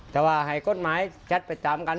แต่ว่าให้กฎหมายชัดไปตามกัน